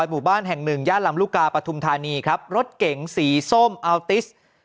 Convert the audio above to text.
หมู่บ้านแห่งหนึ่งย่านลำลูกกาปฐุมธานีครับรถเก๋งสีส้มอัลติส